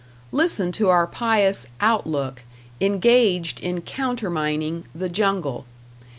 Listen to our pious "Outlook", engaged in countermining "The Jungle".